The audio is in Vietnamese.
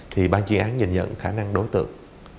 thì ban chuyên án nhìn nhận khả năng đối tượng